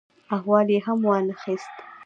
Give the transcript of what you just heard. احوال یې هم وا نه خیست.